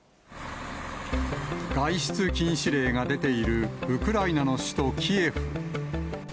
外出禁止令が出ているウクライナの首都キエフ。